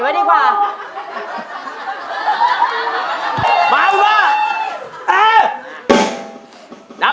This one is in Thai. แล้วว่าอย่างอื่นมันแย่